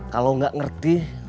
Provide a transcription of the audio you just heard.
kalau gak ngerti